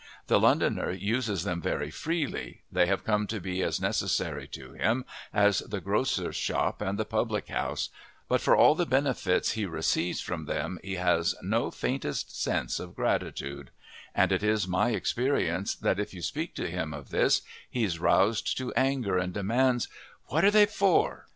The Londoner uses them very freely; they have come to be as necessary to him as the grocer's shop and the public house, but for all the benefits he receives from them he has no faintest sense of gratitude, and it is my experience that if you speak to him of this he is roused to anger and demands, "What are they for?"